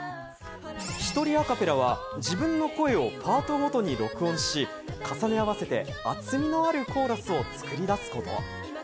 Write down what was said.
１人アカペラは自分の声をパートごとに録音し、重ね合わせて厚みのあるコーラスを作り出すこと。